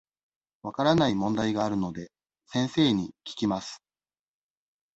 分からない問題があるので、先生に聞きます。